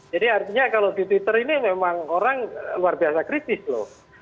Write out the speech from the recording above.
jadi artinya kalau di twitter ini memang orang luar biasa kritis loh